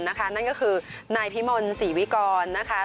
นั่นก็คือนายพิมลศรีวิกรนะคะ